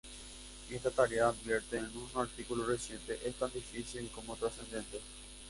Esta tarea, advierte en un artículo reciente, "es tan difícil como trascendente.